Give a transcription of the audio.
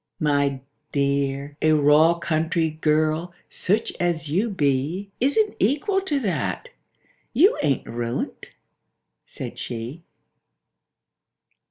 — "My dear—a raw country girl, such as you be, Isn't equal to that. You ain't ruined," said she.